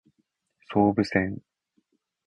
総武線